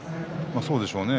そうでしょうね。